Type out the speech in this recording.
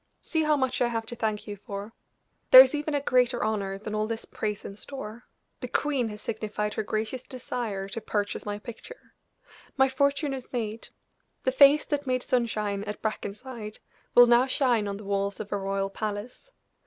See how much I have to thank you for! There is even a greater honor than all this praise in store; the queen has signified her gracious desire to purchase my picture! My fortune is made; the face that made sunshine at Brackenside will now shine on the walls of a royal palace.